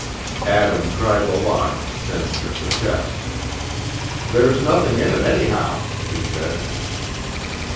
Adam tried the lock, then shook the chest. "There's nothing in it, anyhow," he said.